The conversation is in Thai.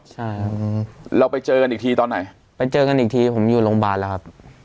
ใช่ครับเราไปเจอกันอีกทีตอนไหนไปเจอกันอีกทีผมอยู่โรงพยาบาลแล้วครับ